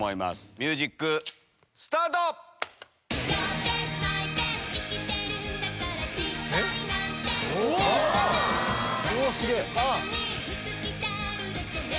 ミュージックスタート！うわ！